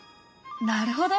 なるほど！